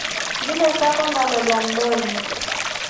Ngile saakwa ngalolia nloli.